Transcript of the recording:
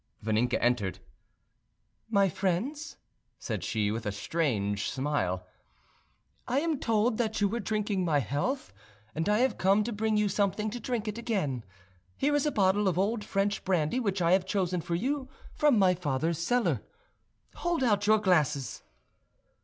Vaninka entered. "My friends," said she, with a strange smile, "I am told that you were drinking my health, and I have come to bring you something to drink it again. Here is a bottle of old French brandy which I have chosen for you from my father's cellar. Hold out your glasses."